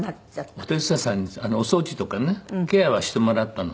お手伝いさんにお掃除とかねケアはしてもらったの。